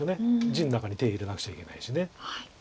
地の中に手入れなくちゃいけないし。